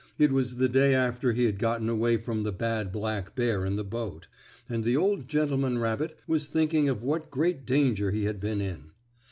It was the day after he had gotten away from the bad black bear in the boat, and the old gentleman rabbit was thinking of what great danger he had been in.